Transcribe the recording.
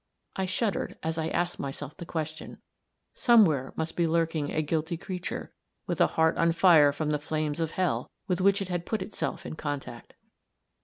I shuddered as I asked myself the question. Somewhere must be lurking a guilty creature, with a heart on fire from the flames of hell, with which it had put itself in contact.